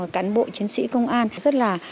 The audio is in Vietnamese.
cán bộ chiến sĩ công an rất là